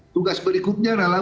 tugas berikutnya adalah